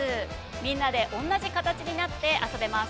みんなで同じ形になって遊べます。